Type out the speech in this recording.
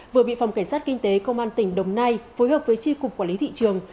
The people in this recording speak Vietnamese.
vừa bị phòng cảnh sát kinh tế công an tỉnh đồng nai phối hợp với tri cục quản lý thị trường